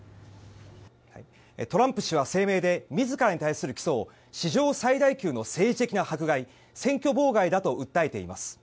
トランプ氏は声明で自らに対する起訴を史上最大級の政治的な迫害選挙妨害だと訴えています。